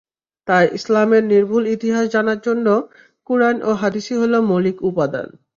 তাই ইসলামের নির্ভুল ইতিহাস জানার জন্য কুরআন ও হাদীসই হলো মৌলিক উপাদান।